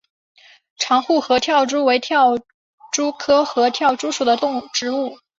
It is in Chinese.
长触合跳蛛为跳蛛科合跳蛛属的动物。